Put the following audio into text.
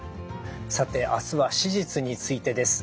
さて明日は手術についてです。